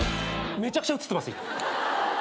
めちゃくちゃ映ってます。